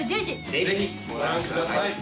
ぜひご覧ください。